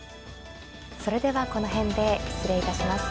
それではこの辺で失礼いたします。